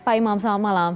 pak imam selamat malam